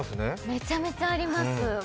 めちゃめちゃあります。